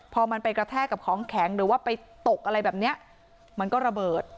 พอมันไปกระแทกกับของแข็งหรือว่าไปตกอะไรแบบนี้มันก็ระเบิด